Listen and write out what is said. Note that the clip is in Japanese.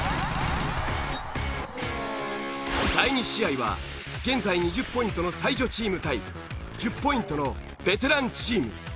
第２試合は現在２０ポイントの才女チーム対１０ポイントのベテランチーム。